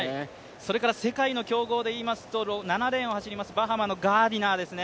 それから世界の強豪でいいますと７レーンを走りますバハマのガーディナーですね。